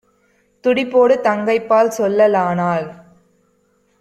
துடிப்போடு தங்கைபால் சொல்ல லானான்;